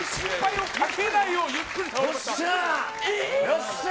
よっしゃ。